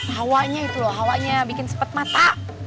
hawanya itu loh hawanya bikin sepet mata